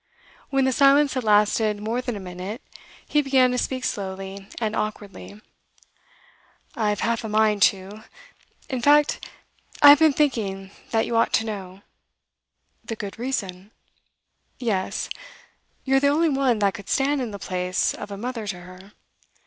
When the silence had lasted more than a minute, he began to speak slowly and awkwardly. 'I've half a mind to in fact, I've been thinking that you ought to know.' 'The good reason?' 'Yes. You're the only one that could stand in the place of a mother to her.